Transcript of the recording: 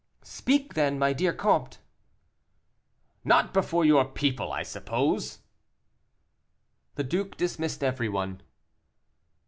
"Speak, then, my dear comte." "Not before your people, I suppose." The duke dismissed everyone.